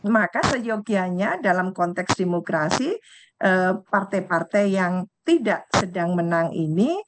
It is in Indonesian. maka seyogianya dalam konteks demokrasi partai partai yang tidak sedang menang ini